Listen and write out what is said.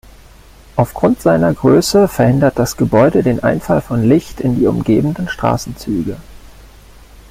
Aufgrund seiner Größe verhindert das Gebäude den Einfall von Licht in die umgebenden Straßenzüge.